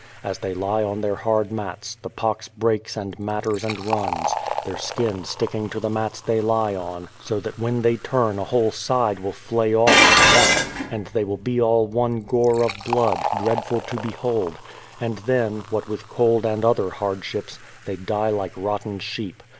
As they lie on their hard mats, the pox breaks and matters and runs, their skin sticking to the mats they lie on, so that when they turn a whole side will flay ofif at once, and they will be all one gore of blood, dreadful to behold ; and then, what 262 BRADFORD'S HISTORY with cold and other hardships, they die Hke rotten sheep.